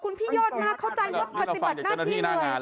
ค่ะขอบคุณพี่ยอดมากเข้าใจว่าปฏิบัติหน้างาน